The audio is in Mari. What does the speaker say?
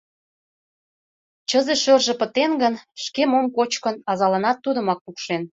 Чызе шӧржӧ пытен гын, шке мом кочкын, азаланат тудымак пукшен.